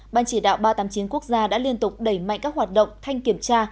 ban chỉ đạo ba trăm tám mươi chín quốc gia đã liên tục đẩy mạnh các hoạt động thanh kiểm tra